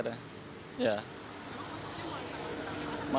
masuknya mulai tanggal delapan